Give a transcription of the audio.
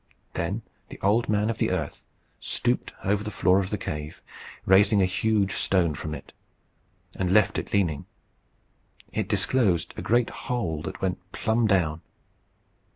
Then the Old Man of the Earth stooped over the floor of the cave, raised a huge stone from it, and left it leaning. It disclosed a great hole that went plumb down.